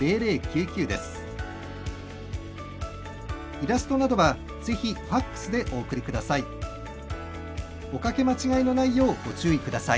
イラストなどはぜひファクスでお送りください。